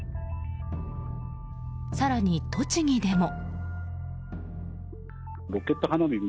更に栃木でも。